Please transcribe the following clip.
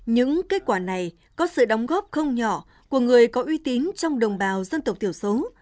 những kết quả này có sự đóng góp không nhỏ của người có uy tín trong đồng bào dân tộc thiểu số